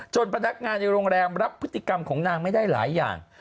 พนักงานในโรงแรมรับพฤติกรรมของนางไม่ได้หลายอย่าง